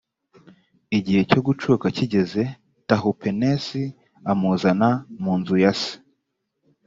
igihe cyo gucuka kigeze tahupenesi amuzana mu nzuyase.